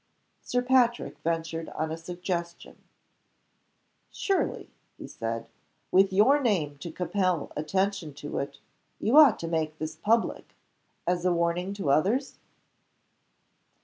Sir Patrick ventured on a suggestion. "Surely," he said, "with your name to compel attention to it, you ought to make this public as a warning to others?"